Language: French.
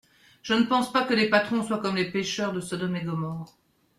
Je ne pense pas que les patrons soient comme les pécheurs de Sodome et Gomorrhe.